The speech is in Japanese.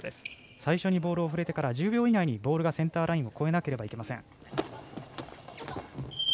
最初にボールに触れてから１０秒以内にボールがセンターラインを越えなくてはいけません。